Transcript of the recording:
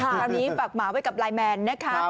คราวนี้ฝากหมาไว้กับไลน์แมนนะคะ